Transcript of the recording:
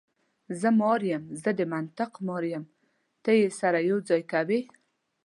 زه مار یم، زه د منطق مار یم، ته یې سره یو ځای کوې.